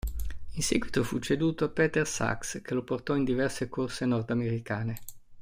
In seguito fu ceduto a Peter Sachs che lo portò in diverse corse nordamericane.